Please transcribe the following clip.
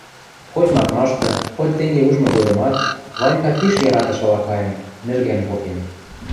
Хоть мадмашты, хоть тенге ужмы годымат Ванька пиш яратышыла кайын, нӹжгӓн попен.